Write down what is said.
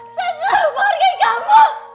saya tidak pernah menghargai kamu